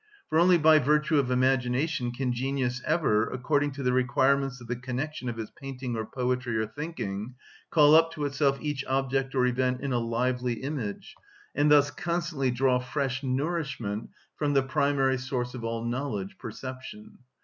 For only by virtue of imagination can genius ever, according to the requirements of the connection of its painting or poetry or thinking, call up to itself each object or event in a lively image, and thus constantly draw fresh nourishment from the primary source of all knowledge, perception.